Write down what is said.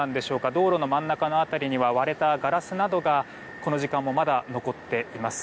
道路の真ん中辺りには割れたガラスなどがこの時間もまだ残っています。